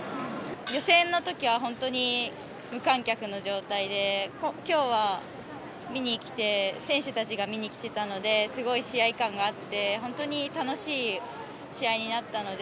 予選のときは本当に無観客の状態で、きょうは選手たちが見に来てたので、すごい試合感があって、本当に楽しい試合になったので、